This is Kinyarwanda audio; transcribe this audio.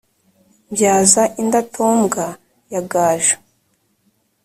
mbyaza indatombwa ya gaju,